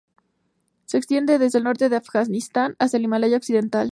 Se extiende desde el norte de Afganistán hasta el Himalaya occidental.